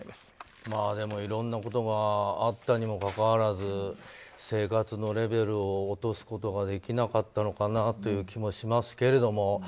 でも、いろんなことがあったにもかかわらず生活のレベルを落とすことができなかったのかなという気もしますけれども。